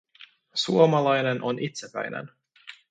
Suomalainen on itsepäinen.